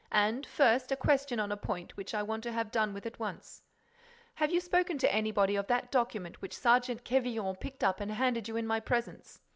And, first, a question on a point which I want to have done with at once. Have you spoken to anybody of that document which Sergeant Quevillon picked up and handed you in my presence?"